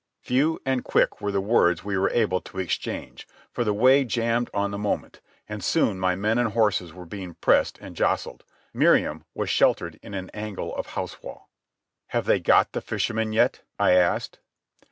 Few and quick were the words we were able to exchange, for the way jammed on the moment, and soon my men and horses were being pressed and jostled. Miriam was sheltered in an angle of house wall. "Have they got the fisherman yet?" I asked.